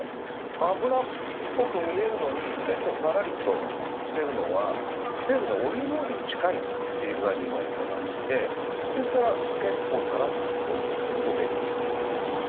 脂っぽく見えるのに結構さらりとしてるのは成分がオリーブオイルに近いっていう具合に言われてましてですから結構さらっと口に溶けていく。